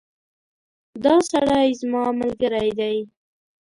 دا سړی زما ملګری دی